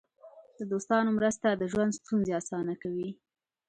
د دوستانو مرسته د ژوند ستونزې اسانه کوي.